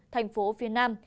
thành phố phía nam